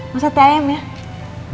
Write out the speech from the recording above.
mau sate ayam ya